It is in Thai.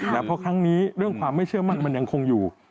แต่เพราะครั้งนี้เรื่องความไม่เชื่อมั่นมันยังคงอยู่